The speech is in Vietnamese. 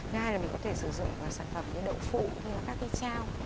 thứ hai là mình có thể sử dụng sản phẩm như đậu phụ hay là các cái trao